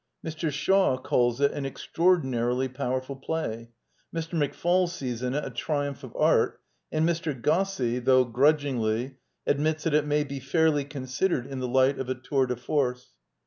Mr. Shaw calls it "an «c traordinarily powerful play;" Mr. Macfall sees in it "a triumph of art," and Mr. Gosse, though grudgingly, admits that " it may be fairly consid ered in the light of a tour de force.